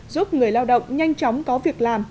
giúp người lao động nhanh chóng có việc làm